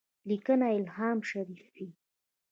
لیکنه الهام شریفي